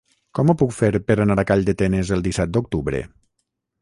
Com ho puc fer per anar a Calldetenes el disset d'octubre?